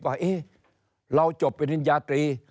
ว่าเราจบปริญญาตรี